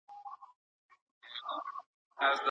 په طلاق سره صحيحه نکاح ختميږي.